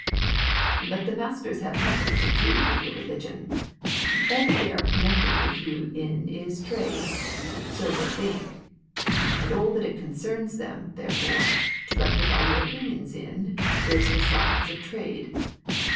"But the masters have nothing to do with your religion. All that they are connected with you in is trade, so they think, and all that it concerns them, therefore, to rectify your opinions in is the science of trade."